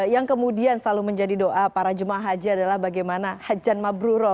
yang kemudian selalu menjadi doa para jemaah haji adalah bagaimana hajan mabruroh